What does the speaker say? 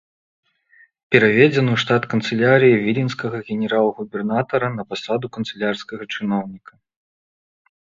Пераведзены ў штат канцылярыі віленскага генерал-губернатара на пасаду канцылярскага чыноўніка.